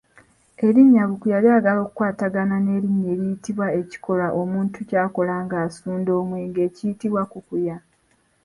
Erinnya Bukuya lyagala okukwatagana n’erinnya eriyitibwa ekikolwa omuntu ky’akola nga asunda omwenge ekiyitibwa Kukuya.